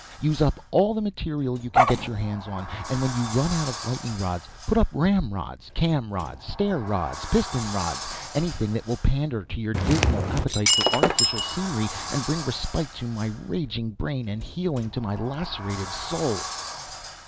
Use up all the material you can get your hands on, and when you run out of lightning rods put up ramrods, cam rods, stair rods, piston rods anything that will pander to your dismal appetite for artificial scenery, and bring respite to my raging brain and healing to my lacerated soul!"